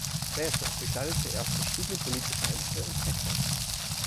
Später bekleidete er verschiedene politische Ämter in Texas.